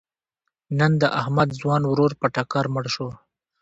نن د احمد ځوان ورور په ټکر مړ شو.